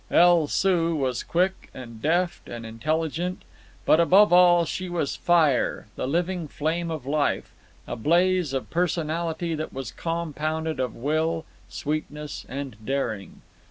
El Soo was quick, and deft, and intelligent; but above all she was fire, the living flame of life, a blaze of personality that was compounded of will, sweetness, and daring.